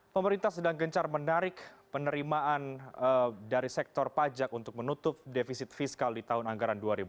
pemerintah sedang gencar menarik penerimaan dari sektor pajak untuk menutup defisit fiskal di tahun anggaran dua ribu dua puluh